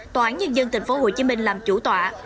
tòa án nhân dân tp hcm làm chủ tòa